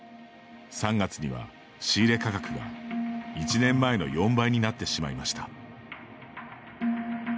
３月には仕入れ価格が１年前の４倍になってしまいました。